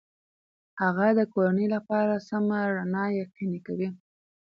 هغه د کورنۍ لپاره سمه رڼا یقیني کوي.